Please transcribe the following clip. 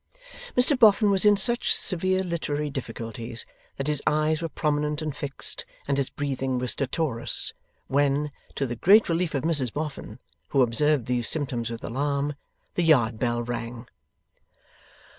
Mr Boffin was in such severe literary difficulties that his eyes were prominent and fixed, and his breathing was stertorous, when, to the great relief of Mrs Boffin, who observed these symptoms with alarm, the yard bell rang.